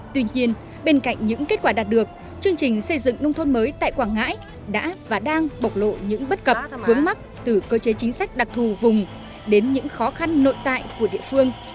tuy nhiên bên cạnh những kết quả đạt được chương trình xây dựng nông thôn mới tại quảng ngãi đã và đang bộc lộ những bất cập vướng mắc từ cơ chế chính sách đặc thù vùng đến những khó khăn nội tại của địa phương